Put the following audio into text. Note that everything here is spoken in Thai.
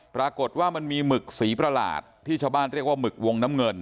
ปรากฏว่ามันมีหมึกสีประหลาดที่ชาวบ้านเรียกว่าหมึกวงน้ำเงิน